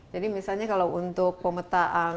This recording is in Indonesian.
jadi misalnya kalau untuk pemetaan